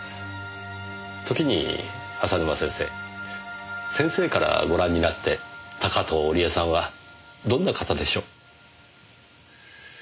時に浅沼先生先生からご覧になって高塔織絵さんはどんな方でしょう？